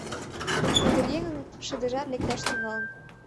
Ӱдыръеҥын шыдыжат лекташ тӱҥалын.